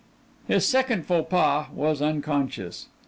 His second faux pas was unconscious.